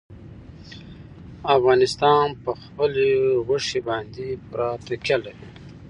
افغانستان په خپلو غوښې باندې پوره تکیه لري.